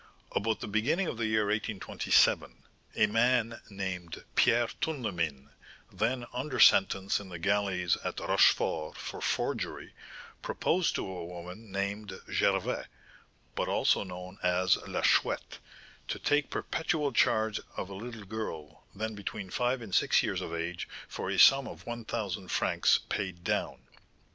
_ About the beginning of the year 1827, a man named Pierre Tournemine, then under sentence in the galleys at Rochefort for forgery, proposed to a woman named Gervais, but also known as La Chouette, to take perpetual charge of a little girl, then between five and six years of age, for a sum of one thousand francs paid down.